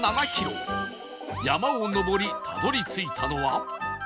山を登りたどり着いたのは